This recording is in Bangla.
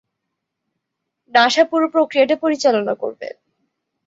নাসা পুরো প্রক্রিয়াটা পরিচালনা করবে।